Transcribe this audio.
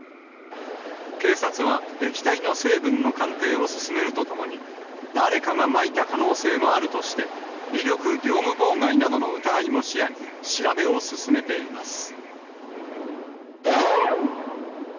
警察は液体の成分の鑑定を進めるとともに、誰かがまいた可能性もあるとして、威力業務妨害などの疑いも視野に、調べを進めています。